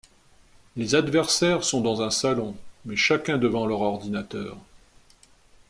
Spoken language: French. Les adversaires sont dans un salon, mais chacun devant leur ordinateur.